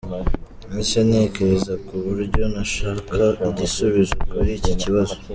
Nahise ntekereza ku buryo nashaka igisubizo kuri iki kibazo.